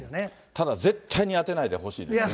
ただ絶対に当てないでほしいですね。